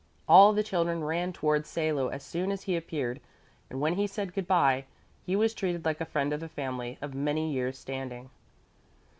All the children ran towards Salo as soon as he appeared, and when he said good bye, he was treated like a friend of the family of many years' standing.